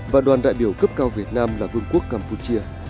và đoàn đại biểu cấp cao việt nam là vương quốc campuchia